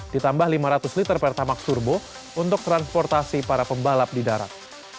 ditambah lima ratus liter pertamak surbo untuk transportasi para pembalap di darat